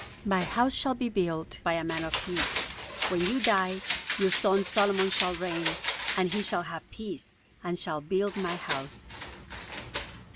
My house shall be built by a man of peace. When you die, your son Solomon shall reign, and he shall have peace, and shall build my house."